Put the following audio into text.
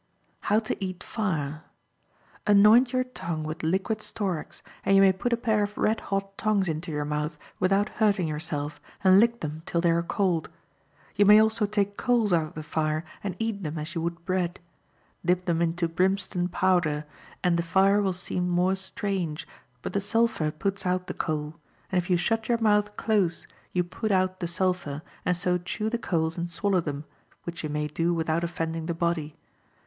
How to Eat Fire.—Anoint your tongue with liquid storax, and you may put a pair of red hot tongs into your mouth, without hurting yourself, and lick them till they are cold. You may also take coals out of the fire and eat them as you would bread; dip them into brimstone powder, and the fire will seem more strange, but the sulphur puts out the coal, and if you shut your mouth close you put out the sulphur, and so chew the coals and swallow them, which you may do without offending the body.